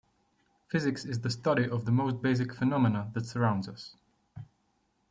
Physics is the study of the most basic phenomena that surrounds us.